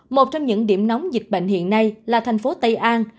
một trong những điểm nóng dịch bệnh hiện nay là thành phố tây an